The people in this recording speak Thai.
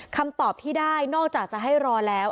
คำตอบที่ได้นอกจากจะให้รอแล้ว